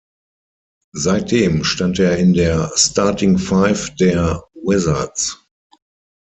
Seitdem stand er in der Starting Five der Wizards.